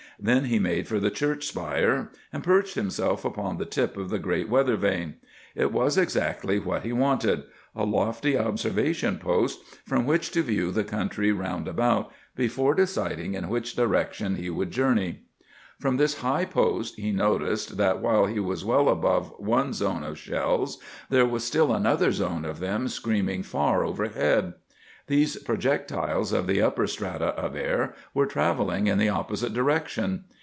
Then he made for the church spire, and perched himself upon the tip of the great weather vane. It was exactly what he wanted—a lofty observation post from which to view the country round about before deciding in which direction he would journey. From this high post he noticed that, while he was well above one zone of shells, there was still another zone of them screaming far overhead. These projectiles of the upper strata of air were travelling in the opposite direction.